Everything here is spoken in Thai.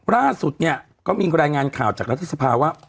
ล่าสุดเนี่ยก็มีรายงานข่าวจากรัฐสภาว่า